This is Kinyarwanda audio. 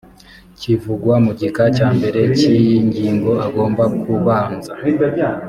kivugwa mu gika cya mbere cy iyi ngingo agomba kubanza